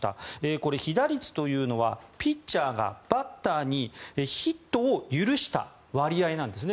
これ、被打率というのはピッチャーがバッターにヒットを許した割合なんですね。